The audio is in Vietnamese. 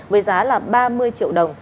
với giá là ba mươi triệu đồng